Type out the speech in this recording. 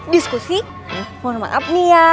diskusi mau noh matap nih ya